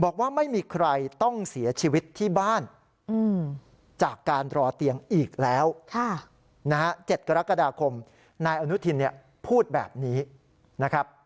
นายอนุทินเนี่ยพูดแบบนี้นะครับ